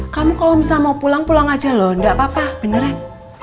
kamu kalau misalnya mau pulang pulang aja loh enggak apa apa beneran